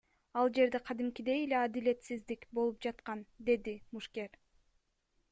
Ал жерде кадимкидей эле адилетсиздик болуп жаткан, — деди мушкер.